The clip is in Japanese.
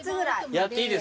やっていいですか？